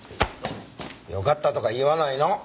よかったとか言わないの。